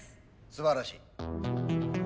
すばらしい。